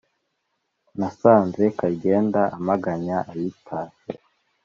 Nasanze Karyenda amaganya ayitashye.